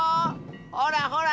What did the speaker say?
ほらほら！